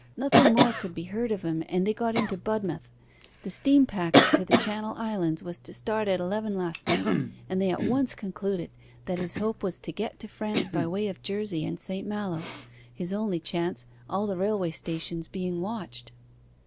Nothing more could be heard of him, and they got into Budmouth. The steam packet to the Channel Islands was to start at eleven last night, and they at once concluded that his hope was to get to France by way of Jersey and St. Malo his only chance, all the railway stations being watched.